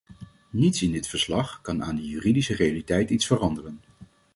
Niets in dit verslag kan aan die juridische realiteit iets veranderen.